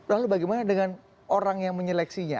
lalu bagaimana dengan orang yang menyeleksinya